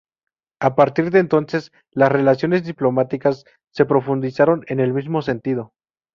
A partir de entonces, las relaciones diplomáticas se profundizaron en el mismo sentido.